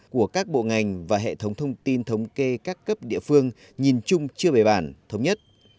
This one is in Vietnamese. của các bộ ngành và hệ thống thông tin thống kê các cấp địa phương nhìn chung chưa về bản thống nhất